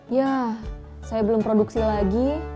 ya saya belum produksi lagi